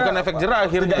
bukan efek jerah akhirnya